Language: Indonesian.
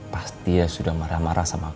pas dia sudah marah marah sama aku